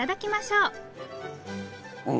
うん。